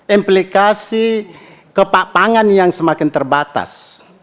implikasi kepapangan yang semakin terbatas